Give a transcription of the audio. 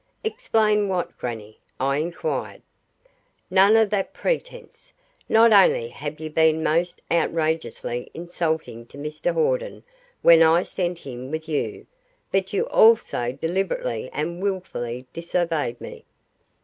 "Explain what, grannie?" I inquired. "None of that pretence! Not only have you been most outrageously insulting to Mr Hawden when I sent him with you, but you also deliberately and wilfully disobeyed me."